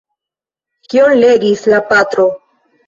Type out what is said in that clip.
Kion legis la patro?